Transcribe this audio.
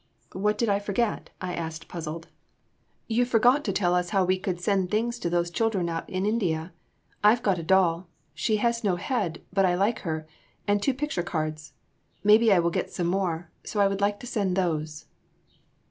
"'What did I forget?' I asked, puzzled. "'You forgot to tell us how we could send things to those children out in India. I've got a doll she has no head but I like her and two picture cards. Maybe I will get some more, so I would like to send those.